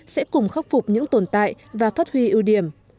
sẽ cùng khắc phục những tồn tại và phát huy ưu điểm